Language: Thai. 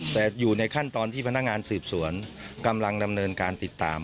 แต่อยู่ในขั้นตอนที่พนักงานสืบสวนกำลังดำเนินการติดตาม